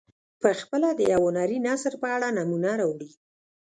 پخپله د یو هنري نثر په اړه نمونه راوړي.